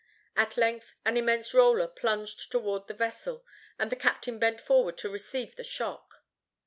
At length an immense roller plunged toward the vessel, and the captain bent forward to receive the shock.